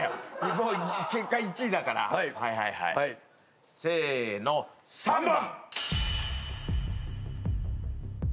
もう結果１位だからはいせーの３番！